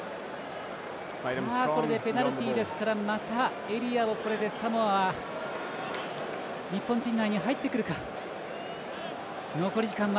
これでペナルティですからまたエリアをこれでサモア日本陣内に入ってくるか。